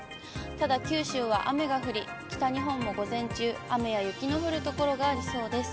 ただ九州は雨が降り、北日本も午前中、雨や雪の降る所がありそうです。